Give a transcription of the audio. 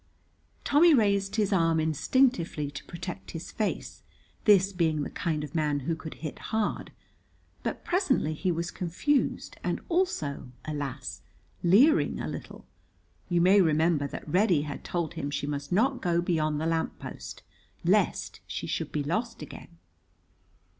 Tommy raised his arm instinctively to protect his face, this being the kind of man who could hit hard. But presently he was confused, and also, alas, leering a little. You may remember that Reddy had told him she must not go beyond the lamp post, lest she should be lost again.